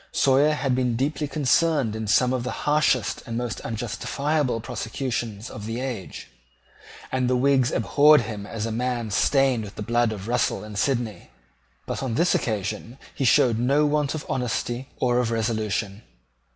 Sawyer had been deeply concerned in some of the harshest and most unjustifiable prosecutions of that age; and the Whigs abhorred him as a man stained with the blood of Russell and Sidney: but on this occasion he showed no want of honesty or of resolution.